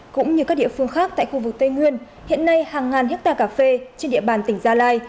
cũng như các địa phương khác tại khu vực tây nguyên hiện nay hàng ngàn hectare cà phê trên địa bàn tỉnh gia lai